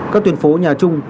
các tuyển phố nhà chung